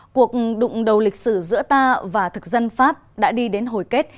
cuộc đụng đầu lịch sử giữa ta và thực dân pháp đã đi đến hồi kết